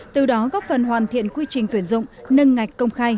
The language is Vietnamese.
từ đó góp phần hoàn thiện quy trình tuyển dụng nâng ngạch công khai